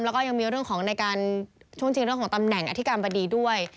แล้วก็ยังมีช่วงจริงเรื่องของตำแหน่งอธิกรรมดีด้วย